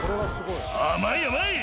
「甘い甘い！